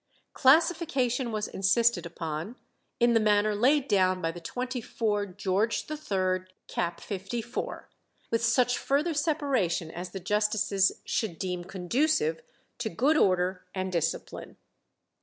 Classification was insisted upon, in the manner laid down by the 24 Geo. III. cap. 54, with such further separation as the justices should deem conducive to good order and discipline.